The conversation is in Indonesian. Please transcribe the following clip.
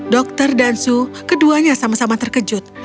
dokter dan su keduanya sama sama terkejut